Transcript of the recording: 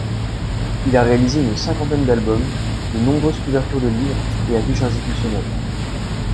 Il a réalisé une cinquantaine d’albums, de nombreuses couvertures de livres et affiches institutionnelles.